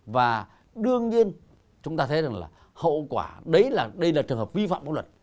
và đương nhiên chúng ta thấy rằng là hậu quả đây là trường hợp vi phạm bóng luật